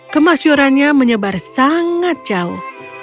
kemasyurannya menyebar sangat jauh